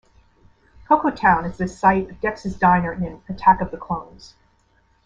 Coco Town is the site of Dex's Diner in "Attack of the Clones".